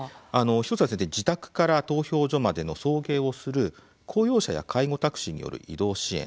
一つは自宅から投票所までの送迎をする公用車や介護タクシーによる移動支援。